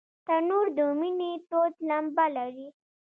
تنور د مینې تود لمبه لري